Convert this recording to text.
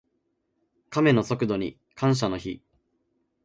カメの速度に感謝の日。